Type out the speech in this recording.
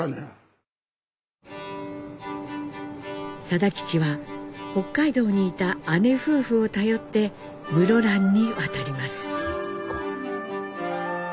定吉は北海道にいた姉夫婦を頼って室蘭に渡ります。